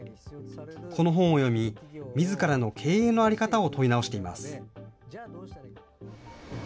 この本を読み、みずからの経営の在り方を問い直しています。